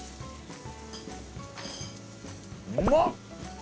うまっ！